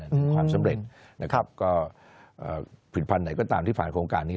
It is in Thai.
ถึงความสำเร็จนะครับก็ผลิตภัณฑ์ไหนก็ตามที่ผ่านโครงการนี้